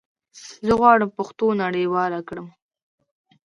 زه غواړم پښتو نړيواله کړم